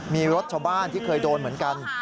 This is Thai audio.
มีรถชาวบ้านที่เคยโดนเหมือนกัน